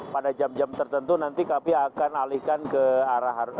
pada jam jam tertentu nanti kami akan alihkan ke arah